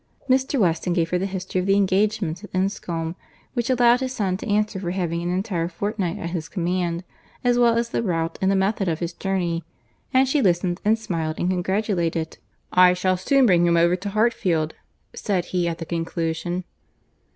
Mr. Weston gave her the history of the engagements at Enscombe, which allowed his son to answer for having an entire fortnight at his command, as well as the route and the method of his journey; and she listened, and smiled, and congratulated. "I shall soon bring him over to Hartfield," said he, at the conclusion.